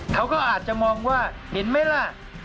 เขาก็อาจจะมองว่าเห็นไหมล่ะ